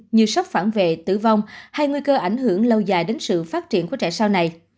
như sốc phản vệ tử vong hay nguy cơ ảnh hưởng lâu dài đến sự phát triển của trẻ sau này